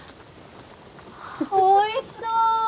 おいしそう！